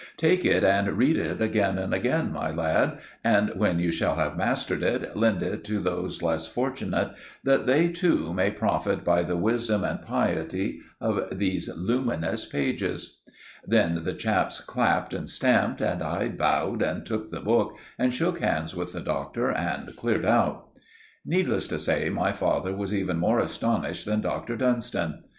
Take it and read it again and again, my lad; and when you shall have mastered it, lend it to those less fortunate, that they, too, may profit by the wisdom and piety of these luminous pages." Then the chaps clapped and stamped, and I bowed and took the book, and shook hands with the Doctor and cleared out. Needless to say, my father was even more astonished than Dr. Dunstan.